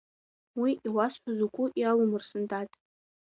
Уи иуасҳәаз угәы иалумырсын, дад.